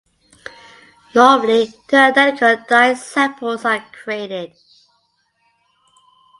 Normally two identical dye samples are created.